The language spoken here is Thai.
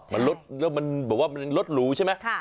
มันลดแล้วมันบอกว่ามันรถหรูใช่ไหม